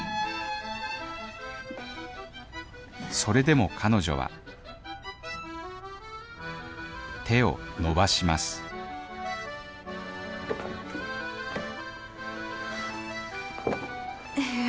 それでも彼女は手を伸ばします部屋。